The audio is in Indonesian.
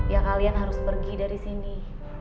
ya kalian harus pergi dari sini